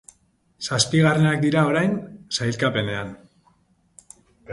Zazpigarrenak dira orain sailkapenean.